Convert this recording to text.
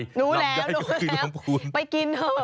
รู้แล้วไปกินเถอะลำไยก็คือลำพูน